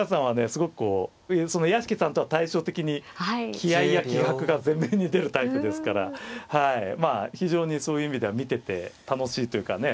すごくこう屋敷さんとは対照的に気合いや気迫が前面に出るタイプですからまあ非常にそういう意味では見てて楽しいというかね